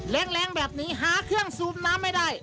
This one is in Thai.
แรงแบบนี้หาเครื่องสูบน้ำไม่ได้